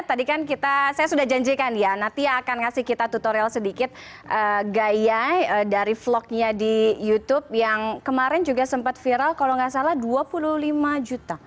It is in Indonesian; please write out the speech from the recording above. tadi kan kita saya sudah janjikan ya nanti akan ngasih kita tutorial sedikit gaya dari vlognya di youtube yang kemarin juga sempat viral kalau nggak salah dua puluh lima juta